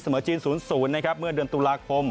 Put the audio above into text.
จีน๐๐นะครับเมื่อเดือนตุลาคม